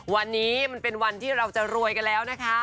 วันนี้มันเป็นวันที่เราจะรวยกันแล้วนะคะ